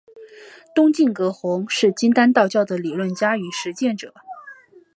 东晋葛洪是金丹道教的理论家与实践者。